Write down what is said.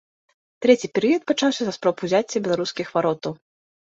Трэці перыяд пачаўся са спроб узяцця беларускіх варотаў.